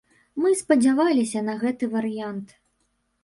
Мы спадзяваліся на гэты варыянт.